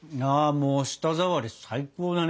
もう舌触り最高だね。